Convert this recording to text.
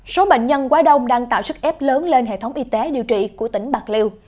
số bệnh nhân quá đông đang tạo sức ép lớn lên hệ thống y tế điều trị của tỉnh bạc liêu